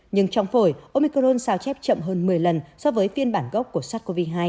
nhưng trong phổi omicron sao chép chậm hơn một mươi lần so với phiên bản gốc của sars cov hai